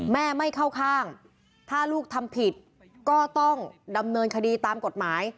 แม่ไม่เข้าข้างถ้าลูกทำผิดก็ต้องดำเนินคดีตามกฎหมาย